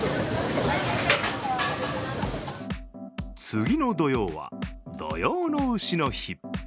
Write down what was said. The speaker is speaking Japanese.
次の土曜は、土用のうしの日。